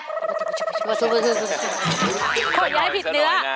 โดยยังให้ผิดเหนือ